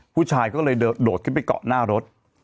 ผู้ชายก็เลยโดดขึ้นไปเกาะหน้ารถ